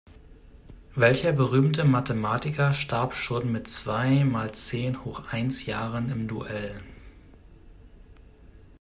Welcher berühmte Mathematiker starb schon mit zwei mal zehn hoch eins Jahren im Duell?